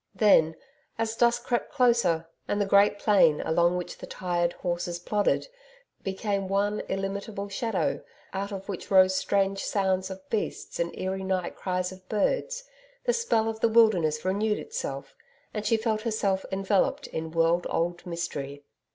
Then, as dusk crept closer, and the great plain, along which the tired horses plodded, became one illimitable shadow out of which rose strange sounds of beasts and eerie night cries of birds, the spell of the wilderness renewed itself and she felt herself enveloped in world old mystery.